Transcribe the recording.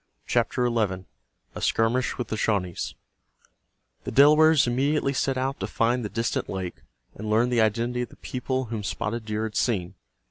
CHAPTER XI—A SKIRMISH WITH THE SHAWNEES The Delawares immediately set out to find the distant lake, and learn the identity of the people whom Spotted Deer had seen.